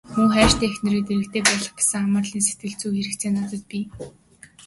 Мөн хайртай эхнэрээ дэргэдээ байлгах гэсэн хамаарлын сэтгэлзүйн хэрэгцээ надад бий.